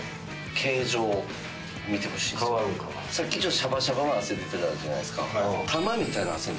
さっきシャバシャバな汗出てたじゃないですか。